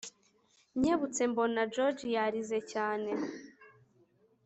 nkebutse mbona george yarize cyane